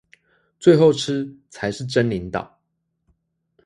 最後吃，才是真領導